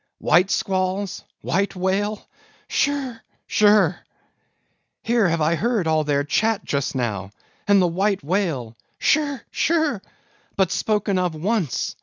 White squalls? white whale, shirr! shirr! Here have I heard all their chat just now, and the white whale—shirr! shirr!—but spoken of once!